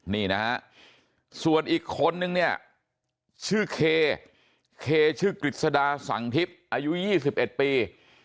นี่นะฮะส่วนอีกคนนึงเนี่ยชื่อเคเคชื่อกฤษดาสังทิพย์อายุ๒๑ปี